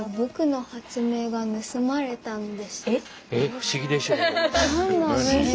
不思議でしょう。